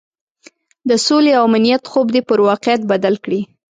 د سولې او امنیت خوب دې پر واقعیت بدل کړي.